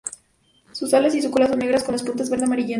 Sus alas y cola son negras con las puntas verde amarillentas.